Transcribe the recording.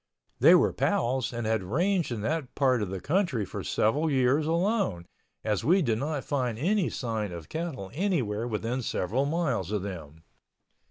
They were pals and had ranged in that part of the country for several years alone, as we did not find any sign of cattle anywhere within several miles of them.